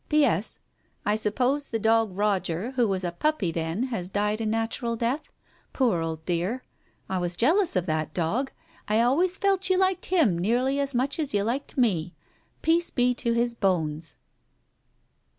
"P.S. — I suppose the dog Roger, who was a puppy then, has died a natural death ? Poor old dear ! I was jealous of that dog, I always felt you liked him nearly as well as you liked me. Peace be to his bones."